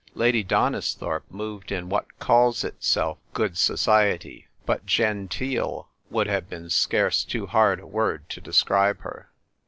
Lady Donisthorpe moved in what calls itself "good society," but genteel would have been scarce too hard a word to describe her.